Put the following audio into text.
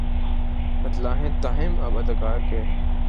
مبتلا ہیں تاہم اب اداکار کے